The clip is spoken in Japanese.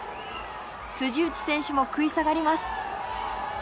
内選手も食い下がります。